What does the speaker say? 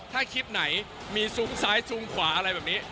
ถ้าคลิปไหนมีซุ้มซ้ายซุ้งขวาอะไรแบบนี้